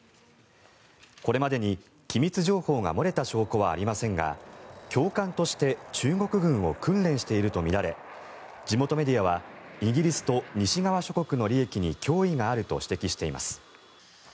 これまでに機密情報が漏れた証拠はありませんが教官として中国軍を訓練しているとみられ地元メディアはイギリスと西側諸国の利益に脅威があると指摘しています。